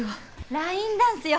ラインダンスよ。